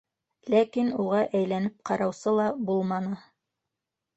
Ләкин уға әйләнеп ҡараусы ла булманы.